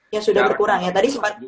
ya sudah berkurang ya tadi sempat